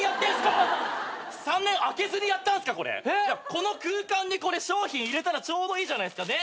この空間に商品入れたらちょうどいいじゃないですか。